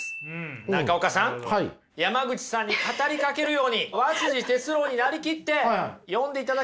中岡さん山口さんに語りかけるように和哲郎になりきって読んでいただけますか。